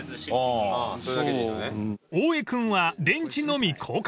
［大江君は電池のみ交換］